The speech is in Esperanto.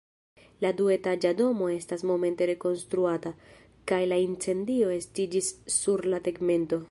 La duetaĝa domo estas momente rekonstruata, kaj la incendio estiĝis sur la tegmento.